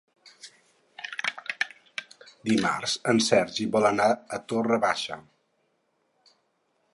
Dimarts en Sergi vol anar a Torre Baixa.